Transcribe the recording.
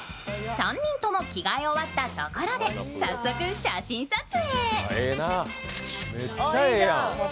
３人とも着替え終わったところで早速写真撮影。